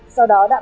sau đó đã bắt giữ